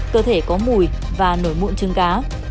cơ thể có mùi và nổi mụn chân cá